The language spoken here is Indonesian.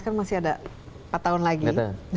kan masih ada empat tahun lagi